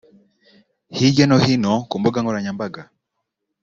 Hirya no hino ku mbuga nkoranyambaga